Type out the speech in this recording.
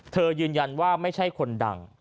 ยืนยันว่าไม่ใช่คนดัง